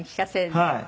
はい。